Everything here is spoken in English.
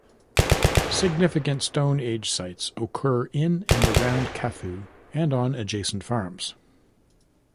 Significant Stone Age sites occur in and around Kathu and on adjacent farms.